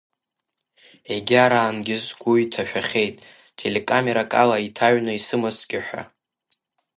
Егьараангьы сгәы иҭашәахьеит телекамерак ала иҭаҩны исымазҭгьы ҳәа.